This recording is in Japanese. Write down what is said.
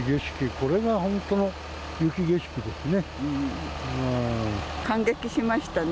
これが本当の雪景色ですね。